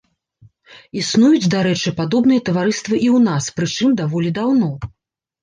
Існуюць, дарэчы, падобныя таварыствы і ў нас, прычым даволі даўно.